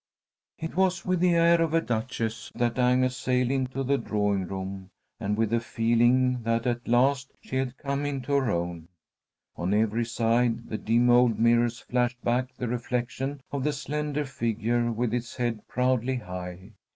It was with the air of a duchess that Agnes sailed into the drawing room, and with the feeling that at last she had come into her own. On every side the dim old mirrors flashed back the reflection of the slender figure with its head proudly high.